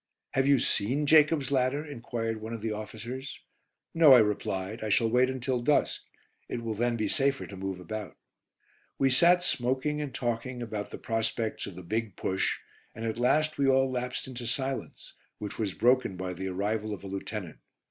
"Have you seen 'Jacob's Ladder'?" enquired one of the officers. "No," I replied, "I shall wait until dusk. It will then be safer to move about." We sat smoking and talking about the prospects of the "Big Push," and at last we all lapsed into silence, which was broken by the arrival of a lieutenant.